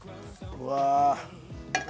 うわ。